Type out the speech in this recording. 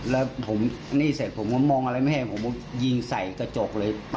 แล้วผมนี่เสร็จผมก็มองอะไรไม่ให้ผมก็ยิงใส่กระจกเลย